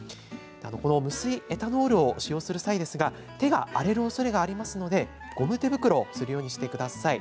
この無水エタノールを使用する際ですが手が荒れるおそれがありますのでゴム手袋をするようにしてください。